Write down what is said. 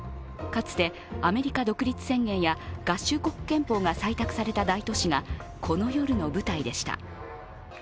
かつてアメリカ独立宣言や合衆国憲法が採択された大都市がこの夜の舞台でした。